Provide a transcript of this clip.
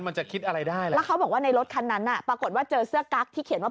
มันจะคิดอะไรได้แล้วแล้วเขาบอกว่าในรถคันนั้นน่ะปรากฏว่าเจอเสื้อกั๊กที่เขียนว่า